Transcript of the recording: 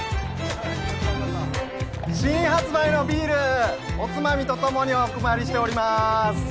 新発売のビールおつまみと共にお配りしております。